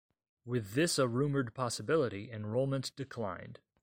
With this a rumored possibility, enrollment declined.